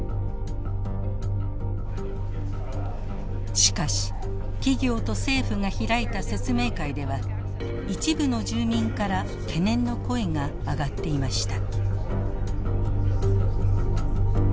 しかし企業と政府が開いた説明会では一部の住民から懸念の声が上がっていました。